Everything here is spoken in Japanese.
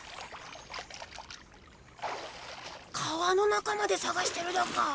川の中までさがしてるだか。